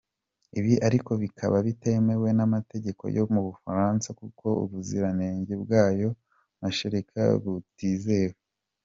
Ibi ariko bikaba bitemewe n’amategeko yo mu Bufaransa kuko ubuziranenge bwayo mashereka butizewe.